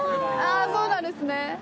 あそうなんですね。